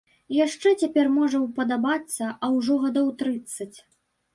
Яшчэ цяпер можа ўпадабацца, а ўжо гадоў трыццаць.